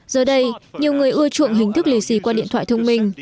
giờ đây nhiều người ưa chuộng hình thức lì xì qua điện thoại thông minh